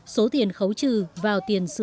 số tiền khấu trừ vào tiền sử dụng